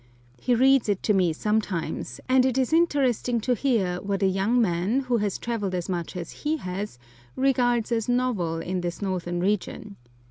He reads it to me sometimes, and it is interesting to hear what a young man who has travelled as much as he has regards as novel in this northern region.